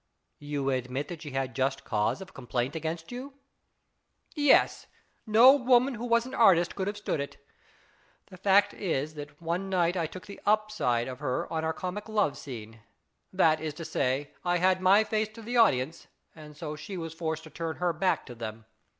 " You admit that she had just cause of complaint against you ?"" Yes ; no woman who was an artist could have stood it. The fact is, that one night I took the ' up ' side of her in our comic love IS IT A MANf 261 scene. That is to say, I had my face to the audience, and so she was forced to turn her back to them.